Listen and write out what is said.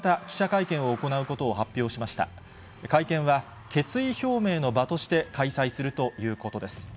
会見は、決意表明の場として開催するということです。